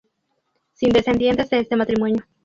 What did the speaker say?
Sin descendientes de este matrimonio.